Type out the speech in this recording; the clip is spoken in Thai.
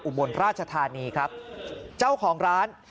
บนราชธานีครับเจ้าของร้าน